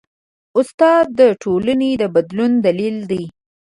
استاد د ټولنې د بدلون دلیل دی.